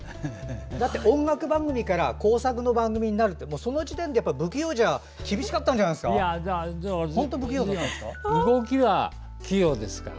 音楽番組から工作の番組になるってその時点で不器用じゃ厳しかったんじゃないですか？